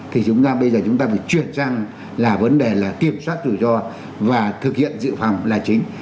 thì chúng ta bây giờ chúng ta phải chuyển sang là vấn đề là kiểm soát rủi ro và thực hiện dự phòng là chính